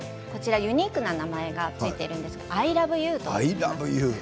ユニークな名前が付いているんですがアイラブユーです。